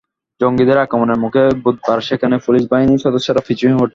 জঙ্গিদের আক্রমণের মুখে বুধবার সেখানে পুলিশ বাহিনীর সদস্যরা পিছু হটে যায়।